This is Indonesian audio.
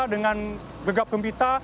dengan gegap gempita